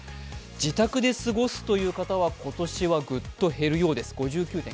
自宅で過ごすという方は今年はぐっと減るようです、５９．９％。